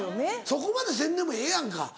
そこまでせんでもええやんか。